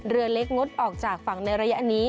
เรือเล็กงดออกจากฝั่งในระยะนี้